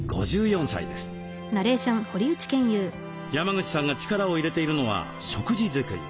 山口さんが力を入れているのは食事作り。